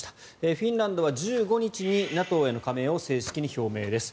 フィンランドは１５日にＮＡＴＯへの加盟を正式に表明です。